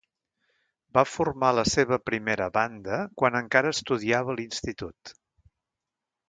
Va formar la seva primera banda quan encara estudiava a l'institut.